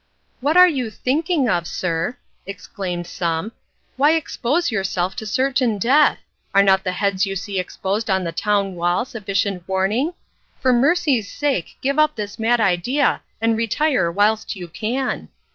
"What are you thinking of, sir," exclaimed some; "why expose yourself to certain death? Are not the heads you see exposed on the town wall sufficient warning? For mercy's sake give up this mad idea and retire whilst you can."